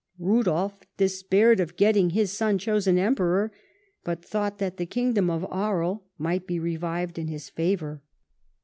Rudolf despaired of getting his son chosen Emperor, but thought that the kingdom of Aries might be revived in his favour.